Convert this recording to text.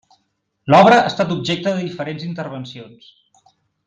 L'obra ha estat objecte de diferents intervencions.